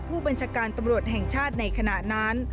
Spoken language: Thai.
ผู้บัญชาการตำรวจแห่งชาติในขณะนั้น